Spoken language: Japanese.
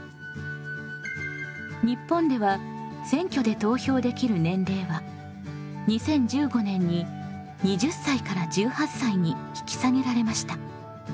日本では選挙で投票できる年齢は２０１５年に２０歳から１８歳に引き下げられました。